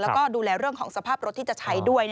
แล้วก็ดูแลเรื่องของสภาพรถที่จะใช้ด้วย